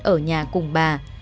ở nhà cùng bà